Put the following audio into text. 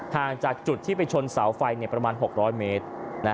ห่างจากจุดที่ไปชนเสาไฟประมาณ๖๐๐เมตร